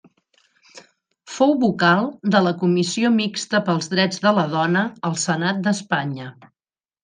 Fou vocal de la Comissió Mixta pels Drets de la Dona al Senat d'Espanya.